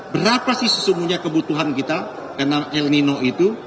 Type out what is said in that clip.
berapa sih sesungguhnya kebutuhan kita karena el nino itu